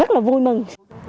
rất là vui mừng